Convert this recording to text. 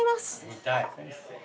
見たい。